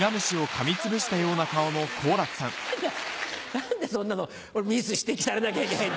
何でそんなのミス指摘されなきゃいけないんだよ。